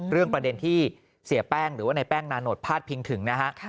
ประเด็นที่เสียแป้งหรือว่าในแป้งนานดพาดพิงถึงนะฮะ